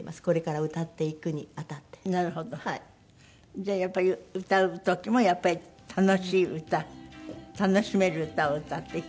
じゃあ歌う時もやっぱり楽しい歌楽しめる歌を歌っていく？